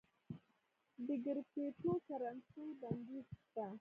د کریپټو کرنسی بندیز شته؟